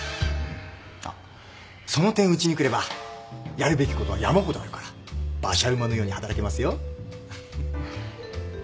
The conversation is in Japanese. あっその点うちに来ればやるべきことは山ほどあるから馬車馬のように働けますよ。